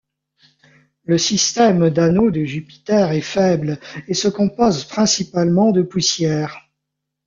Le système d'anneaux de Jupiter est faible et se compose principalement de poussière.